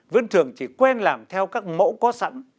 vẫn thường chỉ quen làm theo các mẫu có sẵn